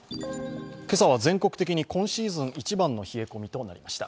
今朝は全国的に今シーズン一番の冷え込みとなりました。